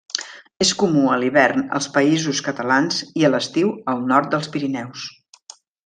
És comú, a l'hivern, als Països Catalans, i a l'estiu, al nord dels Pirineus.